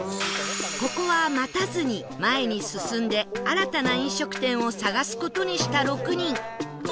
ここは待たずに前に進んで新たな飲食店を探す事にした６人